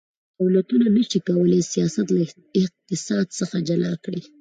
دولتونه نشي کولی سیاست له اقتصاد څخه جلا کړي